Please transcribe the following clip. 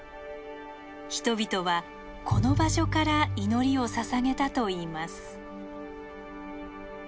人々はこの場所から祈りをささげたといいます。